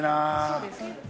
そうです？